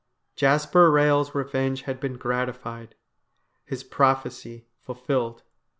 Jasper Eehel's revenge had been gratified, his prophecy fulfilled.